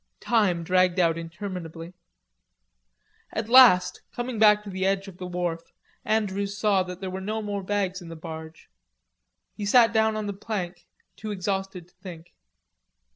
Time dragged out interminably. At last, coming back to the edge of the wharf, Andrews saw that there were no more bags in the barge. He sat down on the plank, too exhausted to think.